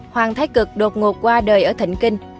hoàng thái cực đột ngột qua đời ở thịnh kinh